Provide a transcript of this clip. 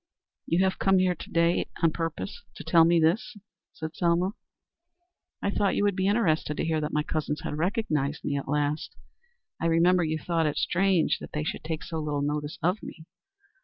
"You have come here to day on purpose to tell me this?" said Selma. "I thought you would be interested to hear that my cousins had recognized me at last. I remember, you thought it strange that they should take so little notice of me."